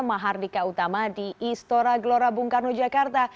mahardika utama di istora gelora bung karno jakarta